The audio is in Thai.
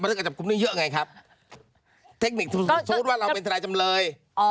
เรื่องการจับกลุ่มนี้เยอะไงครับเทคนิคสมมุติว่าเราเป็นทนายจำเลย